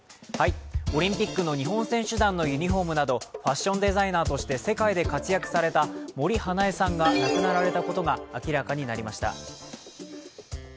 オリンピックの日本選手団のユニフォームなど、ファッションデザイナーとして世界で活躍された森英恵さんが亡くなられたことが明らかになりました。